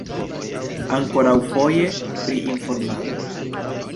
Ankoraŭfoje pri informado.